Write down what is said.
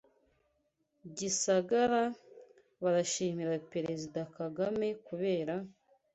Gisagara: Barashimira Perezida Kagame kubera